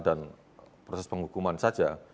dan proses penghukuman saja